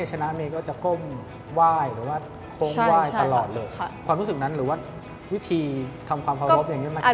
หรือนานเยาวนาน